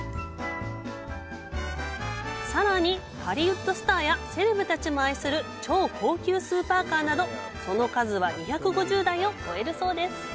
さらに、ハリウッドスターやセレブたちも愛する超高級スーパーカーなどその数は２５０台を超えるそうです。